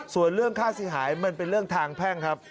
ส่วนเรื่องค่าเสียหายมันเป็นเรื่องทางแพ่งครับ